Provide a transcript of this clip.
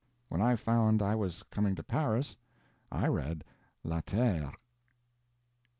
When I found I was coming to Paris, I read 'La Terre'.